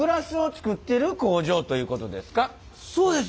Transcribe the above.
そうです。